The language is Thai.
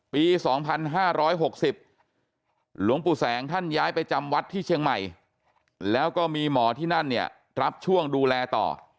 ปี๒๕๖๐หลวงปู่แสงท่านย้ายไปจำวัดที่เชียงใหม่แล้วก็มีหมอที่นั่นเนี่ยรับช่วงดูแลต่อ